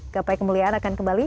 gapai kemuliaan akan kembali